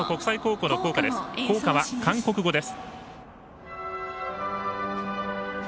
校歌は韓国語です。